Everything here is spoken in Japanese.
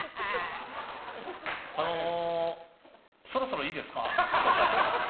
あのそろそろいいですか？